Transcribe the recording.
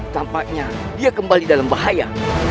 tampaknya dia kembali dalam bahaya